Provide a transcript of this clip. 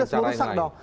ini sudah merusak dong